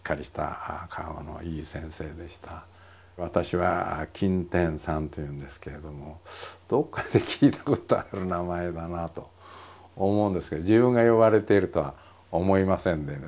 私は「金天三」というんですけれどもどっかで聞いたことある名前だなあと思うんですけど自分が呼ばれているとは思いませんでね